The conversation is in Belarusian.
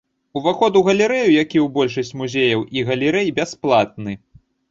Уваход у галерэю, як і ў большасць музеяў і галерэй, бясплатны.